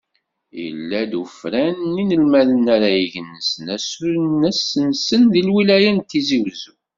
Yella-d ufran n yinelmaden ara igensen asunen-nsen deg lwilaya n Tizi Uzzu.